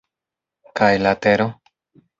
Kaj la tero?